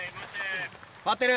回ってる。